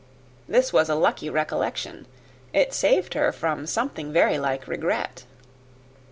This was a lucky recollection it saved her from something like regret.